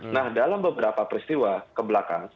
nah dalam beberapa peristiwa kebelakang